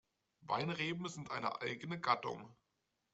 Weinreben sind eine eigene Gattung.